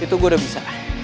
itu gue udah bisa